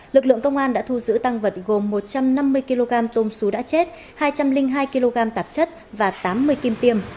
lực lượng công an đã thu giữ tăng vật gồm một trăm năm mươi kg tôm xú đã chết hai trăm linh hai kg tạp chất và tám mươi kim tiêm